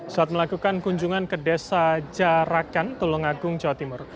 saat melakukan kunjungan ke desa jarakan tulungagung jawa timur